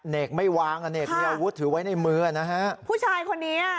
เนกไม่วางอเนกมีอาวุธถือไว้ในมือนะฮะผู้ชายคนนี้อ่ะ